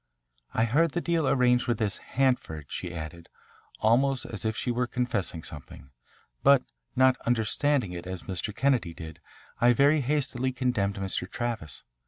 "I heard the deal arranged with this Hanford," she added, almost as if she were confessing something, "but not understanding it as Mr. Kennedy did, I very hastily condemned Mr. Travis.